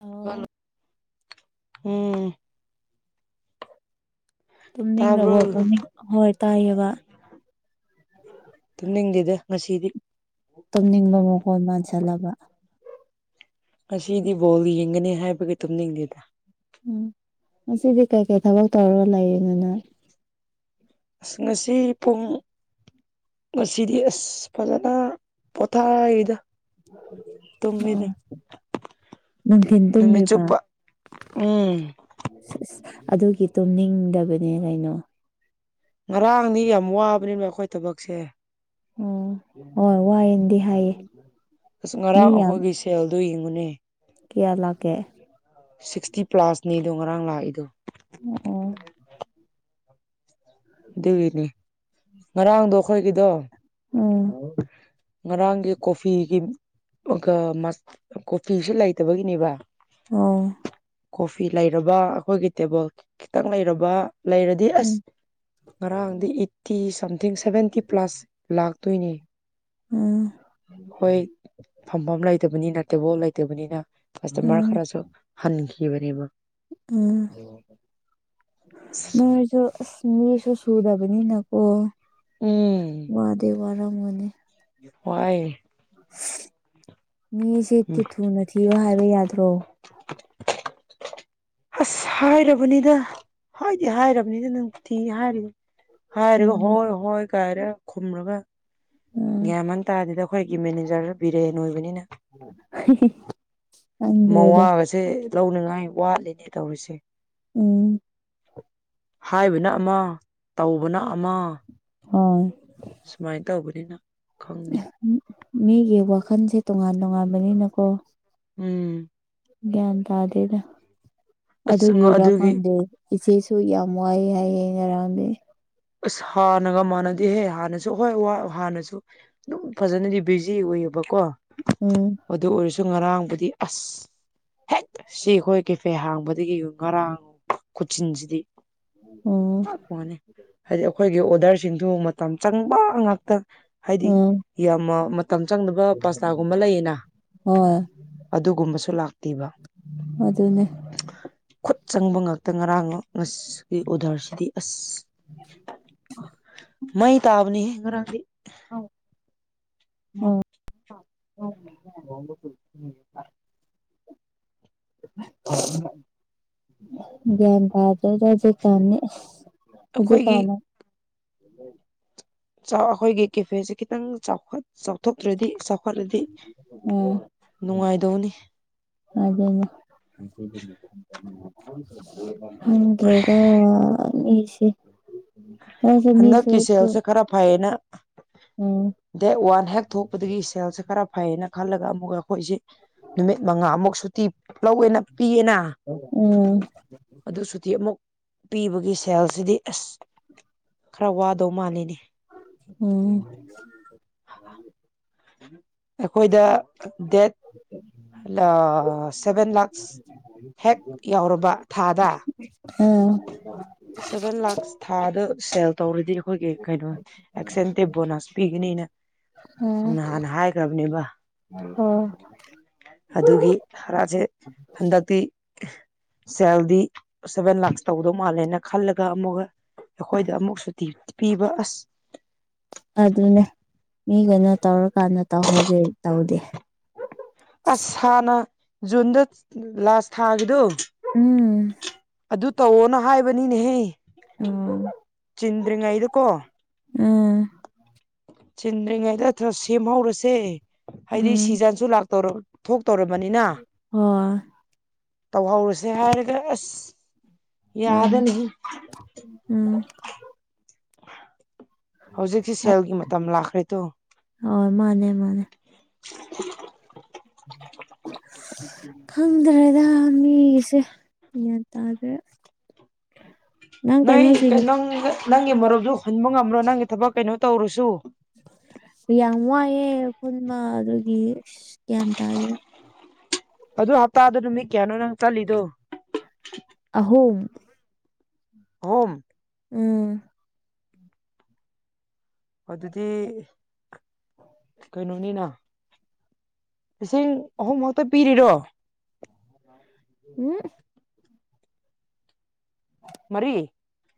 ꯑꯣ ꯎꯝ ꯇꯥꯕ꯭ꯔꯣ ꯇꯨꯝꯅꯤꯡꯂꯕꯣ ꯇꯅꯤꯡ ꯍꯣꯏ ꯇꯥꯏꯌꯦꯕ ꯇꯨꯝꯅꯤꯡꯗꯦꯗ ꯉꯁꯤꯗꯤ ꯇꯨꯝꯅꯤꯡꯕ ꯃꯈꯣꯟ ꯃꯥꯟꯁꯜꯂꯕ ꯉꯁꯤꯗꯤ ꯕꯣꯜ ꯌꯦꯡꯒꯅꯤ ꯍꯥꯢꯕꯒꯤ ꯇꯨꯝꯅꯤꯡꯗꯦꯗ ꯎꯝ ꯉꯁꯤꯗꯤ ꯀꯩꯀꯩ ꯊꯕꯛ ꯇꯧꯔꯒ ꯂꯩꯔꯤꯅꯣ ꯅꯪ ꯑꯁ ꯉꯁꯤ ꯄꯨꯡ ꯉꯁꯤꯗꯤ ꯑꯁ ꯐꯖꯅ ꯄꯣꯊꯥꯢꯗ ꯑꯣ ꯅꯨꯡꯗꯤꯟ ꯅꯨꯃꯤꯠ ꯇꯨꯝꯃꯤꯕ ꯆꯨꯞꯄ ꯎꯝ ꯁꯦꯁ ꯑꯗꯨꯒꯤ ꯇꯨꯝꯅꯤꯡꯗꯕꯅꯦ ꯀꯩꯅꯣ ꯉꯔꯥꯡꯗꯤ ꯌꯥꯝ ꯋꯥꯕꯅꯦꯕ ꯑꯩꯈꯣꯢ ꯊꯕꯛꯁꯦ ꯎꯝ ꯍꯣꯢ ꯋꯥꯌꯦꯅꯗꯤ ꯍꯥꯢꯌꯦ ꯑꯁ ꯉꯔꯥꯡ ꯑꯩꯈꯣꯢꯒꯤ ꯁꯦꯜꯗꯣ ꯌꯦꯡꯉꯨꯅꯦ꯫ ꯀꯌꯥ ꯂꯥꯛꯀꯦ ꯁꯤꯛꯁꯇꯤ ꯄ꯭ꯂꯥꯁꯅꯦꯗꯣ ꯉꯔꯥꯡ ꯂꯥꯛꯏꯗꯣ ꯑꯣ ꯑꯣ 'inaudible' [inaudible] ꯗꯨꯒꯤꯅꯤ ꯉꯔꯥꯡꯗꯣ ꯑꯩꯈꯣꯢꯒꯤꯗꯣ ꯑꯣ ꯉꯔꯥꯡꯒꯤ ꯀꯣꯐꯤꯒꯤꯒ ꯃꯠ ꯀꯣꯐꯤꯁꯨ ꯂꯩꯇꯕꯒꯤꯅꯦꯕ ꯑꯣꯥ ꯀꯣꯐꯤ ꯂꯩꯔꯕ ꯑꯩꯈꯣꯢꯒꯤ ꯇꯦꯕꯜ ꯈꯤꯇꯪ ꯂꯩꯔꯕ ꯂꯩꯔꯗꯤ ꯑꯁ ꯎꯝ ꯉꯔꯥꯡꯗꯤ ꯑꯦꯠꯇꯤ ꯁꯝꯊꯤꯡ ꯁꯚꯦꯟꯇꯤ ꯄ꯭ꯂꯥꯁ ꯂꯥꯛꯇꯣꯢꯅꯦ ꯎꯝ ꯍꯣꯢ ꯐꯝꯕꯝ ꯂꯩꯇꯕꯅꯤꯅ ꯇꯦꯕꯜ ꯂꯩꯇꯕꯅꯤꯅ ꯀꯁꯇꯃꯔ ꯈꯔꯁꯨ ꯍꯟꯈꯤꯕꯅꯦꯕ ꯎꯝ ꯅꯣꯢꯖꯨ ꯑꯁ ꯃꯤꯁꯨ ꯁꯨꯗꯕꯅꯤꯅꯀꯣ ꯎꯝ ꯋꯥꯗꯤ ꯋꯥꯔꯝꯃꯅꯤ꯫ ꯋꯥꯢ ꯃꯤꯁꯦꯇ ꯎꯝ ꯊꯨꯅ ꯊꯤꯌꯨ ꯍꯥꯢꯕ ꯌꯥꯗ꯭ꯔꯣ꯫ ꯍꯁ ꯍꯥꯢꯔꯕꯅꯤꯗ ꯍꯥꯢꯗꯤ ꯍꯥꯢꯔꯕꯅꯤꯗ ꯅꯪꯕꯣ ꯊꯤꯅꯤ ꯍꯥꯢꯔꯤꯃꯤ ꯍꯥꯢꯔꯒ ꯎꯝ ꯍꯣꯢ ꯍꯣꯢ ꯀꯥꯢꯔ ꯈꯨꯝꯔꯒ ꯎꯝ ꯒ꯭ꯌꯥꯟꯃꯟ ꯇꯥꯗꯦꯗ ꯑꯩꯈꯣꯢꯒꯤ ꯃꯦꯅꯦꯖꯔ ꯕꯤꯔꯦꯟ ꯑꯣꯢꯕꯅꯤꯅ ꯍꯤ ꯍꯤ ꯃꯋꯥꯒꯁꯦ ꯂꯧꯅꯉꯥꯢ ꯋꯥꯠꯂꯦꯅꯦ ꯇꯧꯔꯤꯁꯦ ꯎꯝ ꯍꯥꯢꯕꯅ ꯑꯃ ꯇꯧꯕꯅ ꯑꯃ ꯍꯣꯏ ꯁꯨꯃꯥꯏꯅ ꯇꯧꯕꯅꯤꯅ ꯈꯪꯗꯦ ꯃꯤꯒꯤ ꯋꯥꯈꯜꯁꯦ ꯇꯣꯉꯥꯟ ꯇꯣꯉꯥꯟꯕꯅꯤꯅꯀꯣ ꯎꯝ ꯒ꯭ꯌꯥꯟ ꯇꯥꯗꯦꯗ ꯑꯁ ꯑꯗꯨꯒꯤꯔ ꯑꯗꯨꯒꯤ ꯈꯪꯗꯦ ꯏꯆꯦꯁꯨ ꯌꯥꯝ ꯋꯥꯏꯑ ꯍꯥꯏꯌꯦ ꯉꯔꯥꯡꯗꯤ ꯑꯁ ꯍꯥꯟꯅꯒ ꯃꯥꯟꯅꯗꯦꯍꯦ ꯍꯥꯟꯅꯁꯨ ꯍꯣꯏ ꯋꯥ ꯍꯥꯟꯅꯁꯨ ꯑꯗꯨꯝ ꯐꯖꯅꯗꯤ ꯕꯤꯖꯤ ꯑꯣꯢꯌꯦꯕꯀꯣ ꯎꯝ ꯑꯗꯨ ꯑꯣꯢꯔꯁꯨ ꯉꯔꯥꯡꯕꯨꯗꯤ ꯑꯁ ꯍꯦꯛ ꯁꯤ ꯑꯩꯈꯣꯢ ꯀꯦꯐꯦ ꯍꯥꯡꯕꯗꯒꯤ ꯉꯔꯥꯡ ꯈꯨꯠꯖꯤꯟꯖꯤꯗꯤ ꯎꯝ ꯇꯠꯄꯋꯅꯦ ꯍꯥꯢꯗꯤ ꯑꯩꯈꯣꯢꯒꯤ ꯑꯣꯗꯔꯁꯤꯡꯗꯨ ꯃꯇꯝ ꯆꯪꯕ ꯉꯥꯛꯇ ꯍꯥꯢꯗꯤ ꯎꯝ ꯌꯥꯝꯃ ꯃ ꯇꯝ ꯆꯪꯗꯕ ꯄꯥꯁꯇꯥꯒꯨꯝꯕ ꯂꯩꯌꯦꯅ ꯍꯣꯏ ꯑꯗꯨꯒꯨꯝꯕꯁꯨ ꯂꯥꯛꯇꯦꯕ ꯑꯗꯨꯅꯦ ꯈꯨꯠ ꯆꯪꯕ ꯉꯥꯛꯇ ꯉꯔꯥꯡ ꯉꯁꯤꯒꯤ ꯑꯣꯗꯔꯁꯤꯗꯤ ꯑꯁ ꯃꯩ ꯇꯥꯕꯅꯤ ꯉꯔꯥꯡꯗꯤ [inaudible] [unintelligible] ꯭ꯟꯕꯥꯗꯔ ꯔꯖꯤꯦ ꯀꯅꯦ ꯔꯖꯤ ꯑꯩꯈꯣꯏꯒꯤ ꯀꯅ [inaudible] ꯎ [inaudible] ꯑꯩꯈꯣꯏꯒꯤ ꯀꯦꯐꯦꯁꯦ ꯈꯤꯇꯪ ꯆꯥꯎꯈꯠ ꯆꯥꯎꯊꯣꯛꯇ꯭ꯔꯗꯤ ꯆꯥꯎꯈꯠ ꯈꯋꯥꯠꯂꯗꯤ ꯎꯝ ꯅꯨꯡꯉꯥꯏꯗꯧꯅꯤ ꯑꯗꯨꯅꯦ ꯈꯪꯗꯔꯦꯗ ꯑꯩꯁꯦ ꯍꯟꯗꯛꯀꯤ ꯁꯦꯜꯁꯦ ꯈꯔ ꯐꯩꯌꯦꯅ ꯎꯝ ꯗꯦ ꯋꯥꯟ ꯍꯦꯛ ꯊꯣꯛꯄꯗꯒꯤ ꯁꯦꯜꯁꯦ ꯈꯔ ꯐꯩꯌꯦꯅ ꯈꯜꯂꯒ ꯑꯃꯨꯛꯀ ꯑꯩꯈꯣꯏꯁꯦ ꯅꯨꯃꯤꯠ ꯃꯉꯥꯃꯨꯛ ꯁꯨꯇꯤ ꯂꯧꯋꯦꯅ ꯄꯤꯌꯦꯅ ꯎꯝ ꯑꯗꯨ ꯁꯨꯇꯤ ꯑꯃꯨꯛ ꯄꯤꯕꯒꯤ ꯁꯦꯜꯁꯤꯗꯤ ꯑꯁ ꯈꯔ ꯋꯥꯗꯧ ꯃꯥꯜꯂꯤꯅꯦ ꯎꯝ ꯑꯩꯈꯣꯏꯗ ꯗꯦꯠ ꯁꯚꯦꯟ ꯂꯥꯛꯁ [unintelligible] ꯍꯦꯛ ꯌꯥꯎꯔꯕ ꯊꯥꯗ ꯎꯝ ꯁꯚꯦꯟ ꯂꯥꯛꯁ ꯊꯥꯗ ꯁꯦꯜ ꯇꯧꯔꯗꯤ ꯑꯩꯈꯣꯏꯒꯤ ꯀꯩꯅꯣ ꯑꯦꯛꯁꯦꯟꯇꯦ ꯕꯣꯅꯥꯁ ꯄꯤꯒꯅꯤꯅ ꯎ ꯑꯥ ꯅꯍꯥꯟꯅ ꯍꯥꯏꯈ꯭ꯔꯕꯅꯦꯕ ꯑꯣ ꯑꯗꯨꯒꯤ ꯍꯥꯔꯥꯁꯦ ꯍꯟꯗꯛꯇꯤ ꯁꯦꯜꯗꯤ ꯁꯚꯦꯟ ꯂꯥꯛꯁ ꯇꯧꯗꯧ ꯃꯥꯜꯂꯦꯅ ꯈꯜꯂꯒ ꯑꯃꯨꯛꯀ ꯑꯩꯈꯣꯏꯗ ꯑꯃꯨꯛ ꯁꯤ ꯄꯤꯕ ꯑꯁ ꯑꯗꯨꯅꯦ ꯃꯤꯒꯅ ꯇꯧꯔꯀꯥꯟꯗ ꯇꯧꯍꯧꯒꯦ ꯇꯧꯗꯦ ꯑꯁ ꯍꯥꯟꯅ ꯖꯨꯟꯗ ꯂꯥꯁ ꯊꯥꯈꯤꯕꯗꯨ ꯎꯝ ꯑꯗꯨ ꯇꯧꯑꯣꯅ ꯍꯥꯏꯕꯅꯤꯅꯦꯍꯦ ꯎꯝ ꯆꯤꯟꯗ꯭ꯔꯤꯉꯥꯏꯗꯀꯣ ꯎꯝ ꯆꯤꯟꯗ꯭ꯔꯤꯉꯩꯗꯔ ꯁꯦꯝꯍꯧꯔꯁꯦ ꯍꯥꯏꯗꯤ ꯎꯝ ꯁꯤꯖꯟꯁꯨ ꯂꯥꯛꯇꯧ ꯊꯣꯛ ꯇꯧꯔꯕꯅꯤꯅ ꯍꯣꯏ ꯇꯧꯍꯧꯔꯁꯦ ꯍꯥꯏꯔꯒ ꯑꯁ ꯃꯥꯅꯦ ꯌꯥꯗꯅꯤ ꯎꯝ ꯍꯧꯖꯤꯛꯁꯤ ꯁꯦꯜꯒꯤ ꯃꯇꯝ ꯂꯥꯛꯈ꯭ꯔꯦꯗꯣ ꯍꫭꯏ ꯃꯥꯅꯦ ꯃꯥꯅꯦ [unintelligible] ꯈꯪꯗ꯭ꯔꯦꯗ ꯃꯤꯒꯤꯁꯦ ꯒ꯭ꯌꯥꯟ ꯇꯥꯗ꯭ꯔꯦ [unintelligible] ꯅꯪ ꯅꯣꯏ ꯀꯩꯅꯣꯁꯤꯡ ꯅꯪ ꯅꯪꯒꯤ ꯃꯔꯨꯞꯗꯣ ꯍꯨꯟꯕ ꯉꯝ꯭ꯔꯣ ꯅꯪꯒꯤ ꯊꯕꯛ ꯀꯩꯅꯣ ꯇꯧꯔꯨꯁꯨ ꯌꯥꯝ ꯋꯥꯏꯑꯦ ꯄꯨꯨꯟꯕ ꯑꯗꯨꯒꯤ ꯒ꯭ꯌꯥꯟ ꯇꯥꯗ꯭ꯔꯦ ꯑꯗꯨ ꯍꯞꯇꯥꯗ ꯅꯨꯃꯤꯠ ꯀꯌꯥꯅꯣ ꯅꯪ ꯆꯠꯂꯤꯗꯣ ꯑꯍꯨꯝ ꯑꯣꯝ ꯎꯝ ꯑꯗꯨꯗꯤ ꯀꯩꯅꯣꯅꯤꯅ ꯂꯤꯁꯤꯡ ꯑꯍꯨꯝꯃꯛꯇ ꯄꯤꯔꯤꯔꯣ ꯎꯝ ꯃꯔꯤ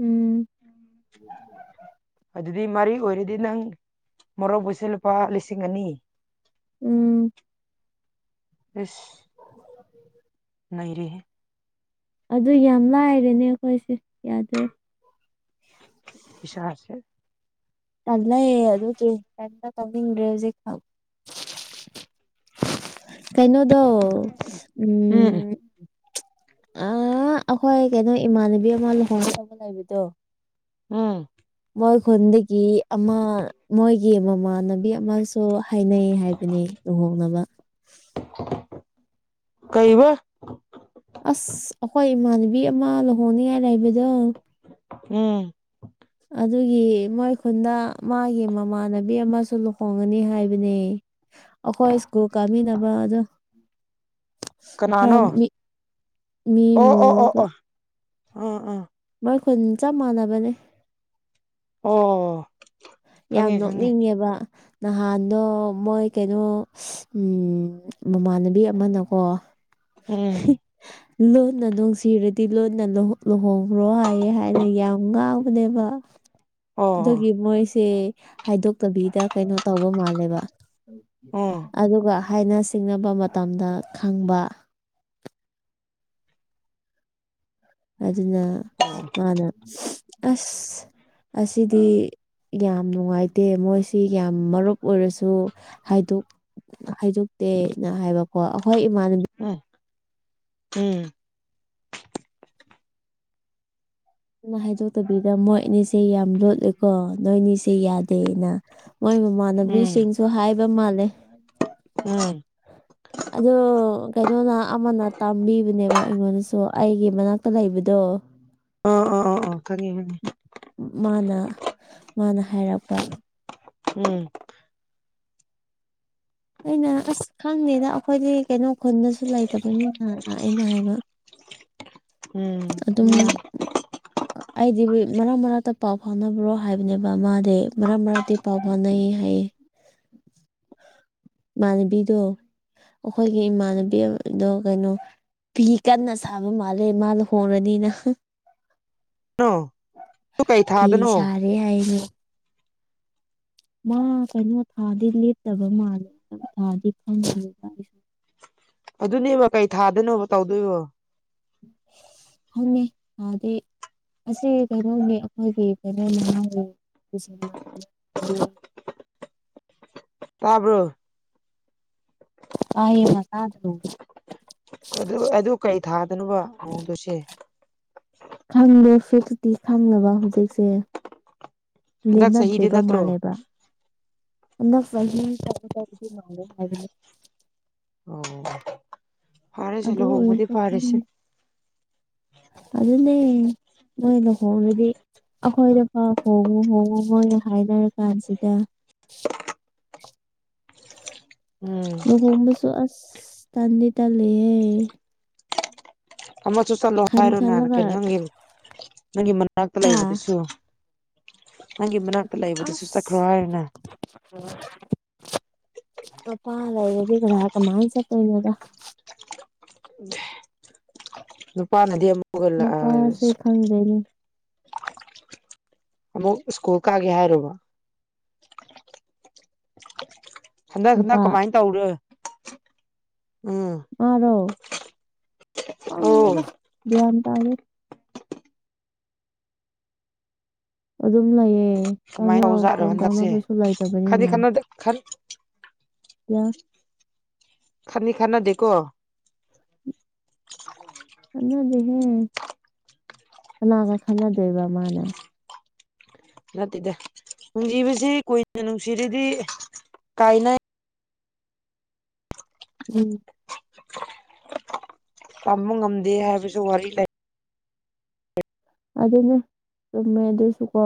ꯎꯝ [unintelligible] ꯑꯗꯨꯗꯤ ꯃꯔꯤ ꯑꯣꯏꯔꯗꯤ ꯅꯪ ꯃꯣꯔꯣꯛꯕꯨꯠꯁꯦ ꯂꯨꯄꯥ ꯂꯤꯁꯤꯡ ꯑꯅꯤ ꯎꯝ ꯑꯁ ꯅꯩꯔꯤꯍꯦ ꯑꯗꯨ ꯌꯥꯝ ꯂꯥꯏꯔꯦꯅꯦ ꯑꯩꯈꯣꯏꯁꯦ ꯌꯥꯗ꯭ꯔꯦ ꯄꯁꯥ ꯑꯁꯦ ꯇꯜꯂꯦ ꯑꯗꯨ ꯇꯧꯅꯤꯡꯗ꯭ꯔꯦ ꯍꯧꯖꯤꯛꯀꯥꯟ ꯀꯩꯅꯣꯗꯣ ꯎꯝ ꯑ ꯑꯩꯈꯣꯏ ꯀꯩꯅꯣ ꯏꯃꯥꯟꯅꯕꯤ ꯑꯃ ꯂꯣꯍꫭꯡꯒꯗꯕꯤ ꯑꯃꯥ ꯂꯩꯕꯗꫭ ꯎꯝ ꯃꯣꯏ ꯈꯨꯟꯗꯒꯤ ꯑꯃ ꯃꯣꯏ ꯌꯦ ꯃꯃꯥꯟꯅꯕꯤ ꯑꯃꯁꯨ ꯍꯥꯏꯅꯩ ꯍꯥꯏꯕꯅꯦ ꯂꯨꯍꯣꯡꯅꯕ ꯀꯩꯕ ꯑꯁ ꯑꯩꯈꯣꯏ ꯏꯃꯥꯟꯅꯕꯤ ꯑꯃ ꯂꯨꯍꯣꯡꯅꯤꯡꯉꯥꯏ ꯂꯩꯕꯗꯣ ꯎꯝ ꯑꯗꯨꯒꯤ ꯃꯣꯏ ꯈꯨꯟꯗ ꯃꯥꯒꯤ ꯃꯃꯥꯟꯅꯕꯤ ꯑꯃꯁꯨ ꯂꯨꯍꯣꯡꯒꯅꯤ ꯍꯥꯏꯕꯅꯦ ꯑꯩꯈꯣꯏ ꯏꯁꯀꯨꯜ ꯀꯥꯃꯤꯟꯅꯕꯗꯣ ꯀꯅꯥꯅꯣ ꯃꯤ ꯑꯣ ꯑꯣ ꯑꯣ ꯃꯨꯔꯒ ꯑꯣ ꯎꯝ ꯎꯝ ꯃꯣꯏ ꯈꯨꯟ ꯆꯞ ꯃꯥꯟꯅꯕꯅꯦ ꯑꯣ ꯌꯥꯝ ꯈꯪꯉꯦ ꯈꯪꯉꯦ ꯅꯣꯛꯅꯤꯡꯉꯦꯕ ꯅꯍꯥꯟꯗꯣ ꯃꯣꯏ ꯀꯩꯅꯣ ꯃꯃꯥꯟꯅꯕꯤ ꯑꯃꯅꯀꯣ ꯎꯝ ꯂꯣꯟꯅ ꯅꯨꯡꯁꯤꯔꯗꯤ ꯂꯣꯟꯅ ꯂꯨꯍꯣꯡ ꯈ꯭ꯔꯣ ꯍꯥꯏꯌꯦ ꯍꯥꯏꯅ ꯌꯥꯝ ꯉꯥꯎꯕꯅꯦꯕ ꯑꯣ ꯑꯣ ꯑꯗꯨꯒꯤ ꯃꯣꯏ ꯁꯦ ꯍꯥꯏꯗꯣꯛꯇꯕꯤꯗ ꯀꯩꯅꯣ ꯇꯧꯕ ꯃꯥꯜꯂꯦꯕ ꯑꯣ ꯑꯗꯨꯒ ꯍꯥꯏꯅ ꯁꯤꯡꯅꯕ ꯃꯇꯝꯗ ꯈꯪꯕ ꯑꯗꯨꯅ ꯑꯣ ꯃꯥꯅ ꯑꯁ ꯑꯁꯤꯗꯤ ꯌꯥꯝ ꯅꯨꯡꯉꯥꯏꯇꯦ ꯃꯣꯏꯁꯤ ꯌꯥꯝ ꯃꯔꯨꯞ ꯑꯣꯏꯔꯁꯨ ꯍꯥꯏꯗꯣꯛ ꯍꯥꯏꯗꯣꯛꯇꯦꯅ ꯍꯥꯏꯕꯀꯣ ꯑꯩꯈꯣꯏ ꯏꯃꯥꯟꯅꯕꯤ ꯎꯝ ꯎꯝ ꯑꯗꯨꯅ ꯍꯥꯏꯗꯣꯛꯇꯕꯤꯗ ꯃꯣꯏ ꯑꯅꯤꯁꯦ ꯌꯥꯝ ꯂꯣꯠꯂꯦꯀꯣ ꯅꯣꯏ ꯑꯅꯤꯁꯦ ꯌꯥꯗꯦꯅ ꯃꯣꯏ ꯎꯝ ꯃꯃꯥꯟꯅꯕꯤꯁꯤꯡꯁꯨ ꯍꯥꯏꯕ ꯃꯥꯜꯂꯦ ꯎꯝ ꯑ ꯀꯩꯅꯣꯅ ꯑꯃꯅ ꯇꯝꯕꯤꯕꯅꯦꯕ ꯑꯩꯉꯣꯟꯗꯁꯨ ꯑꯩꯒꯤ ꯃꯅꯥꯛꯇ ꯂꯩꯕꯗꯣ ꯑꯣ ꯑꯣ ꯑꯣ ꯑꯣ ꯊꯪ ꯍꯥꯏꯝ ꯃꯥꯅ ꯃꯥꯅ ꯍꯥꯏꯔꯛꯄ ꯎꯝ ꯑꯩꯅ ꯑꯁ ꯈꯪꯗꯦꯗ ꯑꯩꯈꯣꯏꯗꯤ ꯀꯩꯅꯣ ꯈꯨꯟꯗꯁꯨ ꯂꯩꯇꯕꯅꯤꯅ ꯑꯩꯅ ꯍꯥꯏꯕ [unintelligible] ꯑꯗꯨꯝ ꯎꯝ ꯑꯩꯗꯤ ꯃꯔꯛ ꯃꯔꯛꯇ ꯄꯥꯎ ꯐꯥꯅꯕ꯭ꯔꯣ ꯍꯥꯏꯕꯅꯦꯕ ꯃꯥꯗꯤ ꯃꯔꯛ ꯃꯔꯛꯇ ꯄꯥꯎ ꯐꯥꯅꯩ ꯍꯥꯏꯌꯦ ꯏꯃꯥꯟꯅꯕꯤꯗꯣ ꯑꯩꯈꯣꯏꯒꯤ ꯏꯃꯥꯟꯅꯕꯤꯗꯣ ꯀꯩꯅꯣ ꯐꯤ ꯀꯟꯅ ꯁꯥꯕ ꯃꯥꯜꯂꯦ ꯃꯥ ꯂꫭꯍꯣꯡꯉꯅꯤꯅ ꯇꯨ ꯀꯩ ꯊꯥꯗꯅꯣ ꯑꯗꯨꯔꯤ ꯌꯥꯏꯅꯤ ꯃꯥ ꯀꯩꯅꯣ ꯊꯥꯗꯤ ꯂꯦꯞꯇꯕ ꯃꯥꯜꯂꯦ ꯊꯥꯗꯤ ꯐꯪꯗꯅꯦꯕ ꯑꯩꯁꯨ ꯑꯗꯨꯅꯦꯕ ꯀꯩ ꯊꯥꯗꯣꯏꯅꯣꯕ ꯇꯧꯗꯣꯏꯕꯣ ꯍꯉꯃꯦ ꯑꯗꯦ ꯑꯁꯤ ꯀꯩꯅꯣꯅꯤ ꯑꯩꯈꯣꯏꯒꯤ ꯀꯩꯅ ꯃꯅꯥꯎꯒꯤ ꯇꯥꯕ꯭ꯔꯣ ꯑꯥꯌꯦ ꯃꯁꯥꯗ ꯑꯗꯨ ꯑꯗꯨ ꯀꯩ ꯊꯥꯗꯅꯅꯕ ꯃꯑꯣꯡꯗꯨꯁꯦ ꯈꯪꯗꯦ ꯐꯦꯇꯤ ꯈꯪꯉꯕ ꯍꯧꯖꯤꯛꯁꯦ ꯍꯟꯗꯛ ꯆꯍꯤꯗꯤ ꯂꯦꯟꯅꯗ꯭ꯔꯤꯕ ꯅꯠꯇ꯭ꯔꯣ ꯃꯥꯜꯂꯦꯕ ꯐ꯭ꯔꯂꯤ ꯑꯣ ꯐꯔꯁꯦ ꯑꯗꯨ ꯂꯨꯍꯣꯡꯕꯗꯤ ꯑꯣꯏꯔꯁꯨ ꯐꯔꯁꯦ ꯑꯗꯨꯟꯅꯦ ꯅꯣꯏꯅ ꯍꯣꯡꯗꯤ ꯑꯩꯈꯣꯏꯗ ꯄꯥꯎ ꯍꯣꯡꯉꯨ ꯍꯣꯡꯉꯨ ꯃꯣꯏ ꯍꯥꯏꯅꯔ ꯀꯥꯟꯁꯤꯗ ꯎꯝ ꯅꯍꯕꯨꯁꯨ ꯑꯁ ꯇꯥꯟꯗꯤ ꯇꯂꯦꯍꯦ ꯑꯃꯁꯨ ꯆꯠꯂꯣ ꯈꯟ ꯍꯥꯏꯔꯣꯅꯦ ꯈꯜꯂꯒ ꯀꯩꯅꯣ ꯅꯪꯒꯤ ꯅꯪꯒꯤ ꯃꯅꯥꯛꯇ ꯍꯥ ꯂꯩꯕꯗꯨꯁꯨ ꯍꯪ ꯏꯃ꯭ꯔꯥꯟ ꯑꯁ ꯄ ꯂꯩꯒ ꯂ ꯀ ꯃꯥꯥꯏ ꯆ ꯇ ꯏꯅꯗ ꯅꯨꯄꯥꯅꯗꯤ ꯑꯃ ꯄꯥ ꯁꯦ ꯈꯪꯗꯦꯅꯤ ꯑꯃꯨꯛ ꯁ꯭ꯀꯨꯜ ꯀꯛꯒꯦ ꯍꯥꯏꯔꯨꯔꯕ ꯍꯟꯗꯛ ꯍꯟꯗ ꯅꯨꯄꯥ ꯀꯃꯥꯏꯅ ꯇꯧꯔ ꯑꯣ ꯑꯣ ꯀꯗ ꯝ ꯇ ꯑꯗꯨꯝ ꯂꯩꯑ ꯀꯅꯤ ꯀꯃꯥꯏꯅ ꯇꯧꯖꯥꯠꯅꯣ ꯐꯣꯟ ꯇꯧꯅꯕꯁꯨ ꯂꯩꯇꯕꯅꯤꯅ ꯈꯔ ꯀꯌꯥ ꯈꯅꯤ ꯈꯅꯗꯦꯀꯣ ꯈꯠꯟꯅꯗꯦꯍꯦ ꯀꯅꯥꯒ ꯈꯟꯅꯗꯣꯏꯕ ꯃꯥꯅꯦ ꯅꯠꯇꯦꯗ ꯅꯨꯡꯖꯤꯕꯁꯤ ꯀꯨꯏꯅ ꯅꯨꯡꯁꯤꯔꯗꯤ ꯀꯥꯏꯅ ꯎꯝ ꯇꯝꯕ ꯉꯝꯗꯦ ꯍꯥꯏꯕꯁꯨ ꯋꯥꯔꯤ ꯂꯩ ꯑꯗꯨꯅꯦ ꯆꯨꯝꯃꯦ ꯑꯗꯨꯁꯨꯀꯣ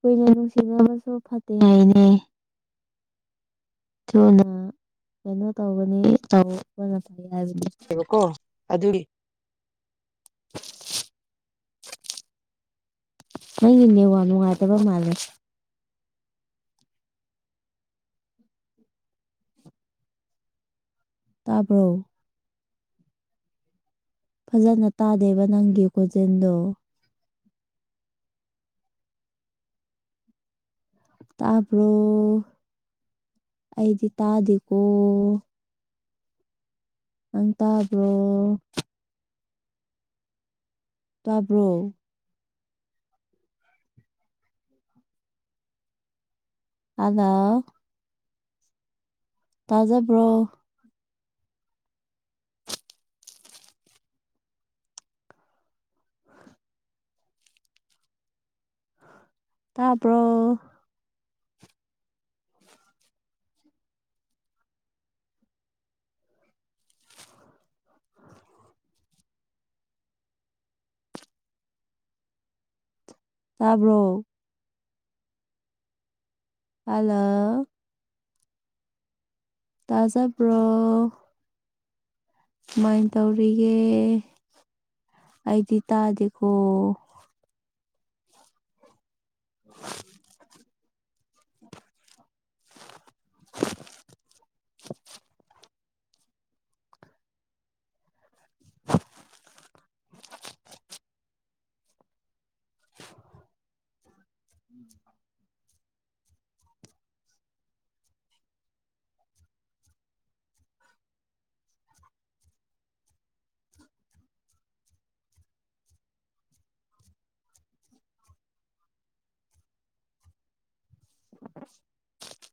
ꯀꯨꯏꯅ ꯅꯨꯡꯁꯤꯅꯕꯁꯨ ꯐꯠꯇꯦ ꯍꯥꯏꯅꯦ ꯊꯨꯅ ꯀꯩꯅꯣ ꯇꯧꯒꯅꯤ ꯇꯧꯕꯅꯥ ꯂꯐꯩ ꯍꯥꯏꯕꯅꯤ [unintelligible] ꯀꯣ ꯑꯗꯨꯒꯤ ꯅꯪꯒꯤ ꯅꯦꯠ ꯋꯥꯛ ꯅꯨꯡꯉꯥꯏꯇꯕ ꯃꯥꯜꯂꯦ ꯇꯥꯕ꯭ꯔꯣ ꯐꯖꯅ ꯇꯥꯗꯦꯕ ꯅꯪꯒꯤ ꯈꯣꯟꯖꯦꯟꯗꯣ ꯇꯥꯕꯔꯣ ꯑꯩꯗꯤ ꯇꯥꯗꯦꯀꯣ ꯅꯪ ꯇꯥꯕ꯭ꯔꯣ ꯇꯥꯕ꯭ꯔꯣ ꯍꯜꯂꯣ ꯇꯥꯖꯕ꯭ꯔꯣ ꯇꯥꯕꯔꯣ ꯇꯥꯕ꯭ꯔꯣ ꯍꯜꯂꯣ ꯇꯥꯖꯕꯔꯣ ꯁꯨꯃꯥꯏ ꯇꯧꯕꯤꯒꯦ ꯑꯩꯗꯤ ꯇꯥꯗꯦꯀꯣ [inaudible] ꯎꯝ [inaudible]